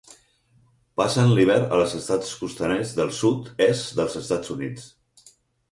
Passen l'hivern als Estats costaners del sud-est dels Estats Units.